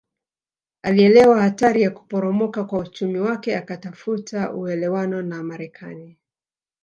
Alielewa hatari ya kuporomoka kwa uchumi wake akatafuta uelewano na Marekani